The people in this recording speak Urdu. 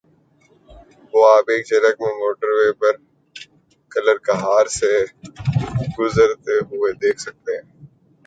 وہ آپ ایک جھلک میں موٹروے پہ کلرکہار سے گزرتے ہوئے دیکھ سکتے ہیں۔